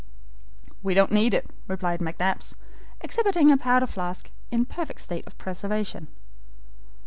"We don't need it," replied McNabbs, exhibiting a powder flask in a perfect state of preservation.